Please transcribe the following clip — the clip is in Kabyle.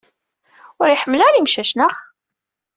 Ur iḥemmel ara imcac, naɣ?